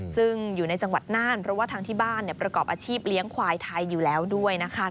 ซึ่งอยู่ในจังหวัดน่านเพราะว่าทางที่บ้านประกอบอาชีพเลี้ยงควายไทยอยู่แล้วด้วยนะคะ